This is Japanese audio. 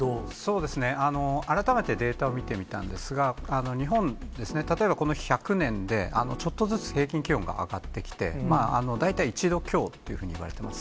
そうですね、改めてデータを見てみたんですが、日本ですね、例えばこの１００年でちょっとずつ平均気温が上がってきて、大体１度強というふうにいわれてます。